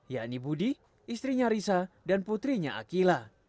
yakni budi istrinya risa dan putrinya akila